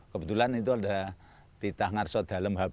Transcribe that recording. kebetulan itu ada titah ngarso dalem hb sepuluh